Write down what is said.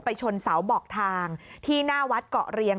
ชนเสาบอกทางที่หน้าวัดเกาะเรียง